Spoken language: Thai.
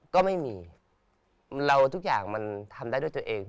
ก็ไม่มีเราทุกอย่างมันทำได้ด้วยตัวเอง